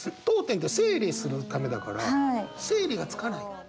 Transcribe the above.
読点って整理するためだから整理がつかない。